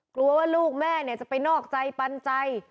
กลัวว่าลูกแม่จะไปนอกใจปันใจ